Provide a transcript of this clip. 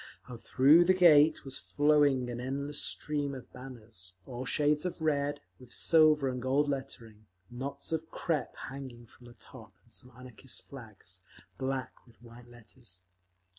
Now through the Gate was flowing an endless stream of banners, all shades of red, with silver and gold lettering, knots of crepe hanging from the top—and some Anarchist flags, black with white letters.